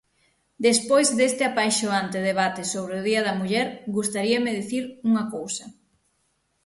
Despois deste apaixonante debate sobre o día da muller, gustaríame dicir unha cousa.